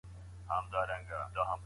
ګاونډیان به انفرادي حقونه خوندي کړي.